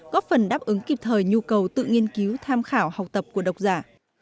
góp phần đáp ứng kịp thời nhu cầu tự nghiên cứu tham khảo học tập của độc giả